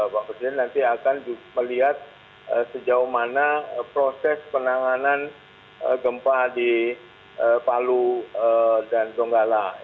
pak presiden nanti akan melihat sejauh mana proses penanganan gempa di palu dan donggala